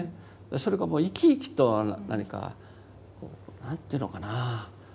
それがもう生き生きと何か何ていうのかなあ？